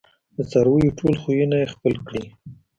د څارویو ټول خویونه یې خپل کړي